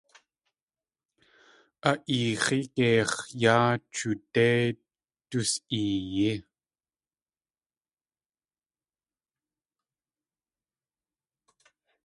A eex̲í geix̲ yá chudéi dus.eeyí.